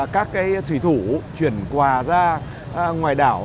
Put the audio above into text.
các thủy thủ chuyển quà ra ngoài đảo